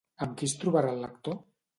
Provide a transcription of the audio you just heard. Amb qui es trobarà el lector?